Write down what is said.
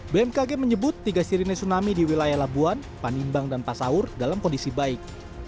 bmkg menyebut tiga sirine tsunami di wilayah labuan panimbang dan pasaur dalam kondisi baik